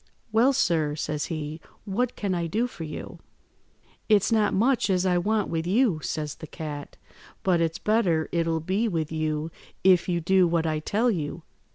"'Well, sir,' says he, 'what can I do for you?' "'It's not much as I want with you,' says the cat, 'but it's better it'll be with you if you do what I tell you.